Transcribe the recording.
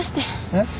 えっ？